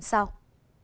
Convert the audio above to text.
hẹn gặp lại